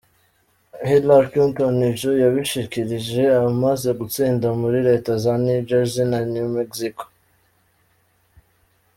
Hillary Clinton ivyo yabishikirije amaze gutsinda muri leta za New Jersey na New Mexico.